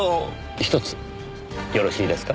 ひとつよろしいですか？